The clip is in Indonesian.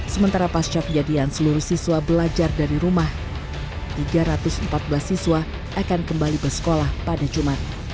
sementara pasca kejadian seluruh siswa belajar dari rumah tiga ratus empat belas siswa akan kembali bersekolah pada jumat